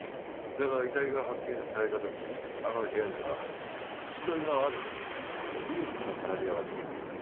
だが遺体が発見された時あの部屋には縁取りのある有覆のカナリアが飛んでいた。